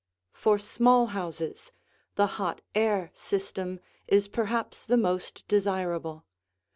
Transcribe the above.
For small houses, the hot air system is perhaps the most desirable.